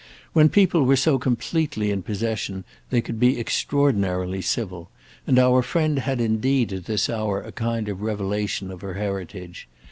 When people were so completely in possession they could be extraordinarily civil; and our friend had indeed at this hour a kind of revelation of her heritage.